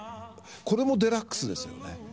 これもデラックスですよね。